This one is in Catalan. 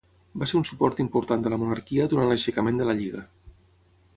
Va ser un suport important de la monarquia durant l'aixecament de la Lliga.